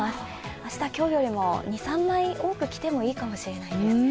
明日は今日よりも２３枚多く着てもいいかもしれないです。